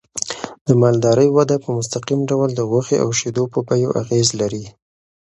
د مالدارۍ وده په مستقیم ډول د غوښې او شیدو په بیو اغېز لري.